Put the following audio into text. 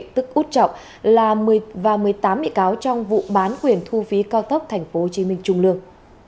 tức út trọng là một mươi và một mươi tám bị cáo trong vụ bán quyền thu phí cao tốc tp hcm trung lương